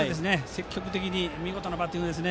積極的に見事なバッティングです。